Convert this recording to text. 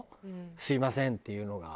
「すみません」っていうのが。